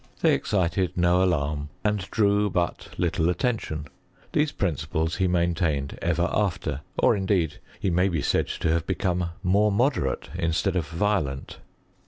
They excited no CHEMISTRY IN GREAT BRITAIS. 13 alarm and drew but little attention ; these principles lie maintained ever after, or indeed he may be Stid to have become more moderate instead of violent.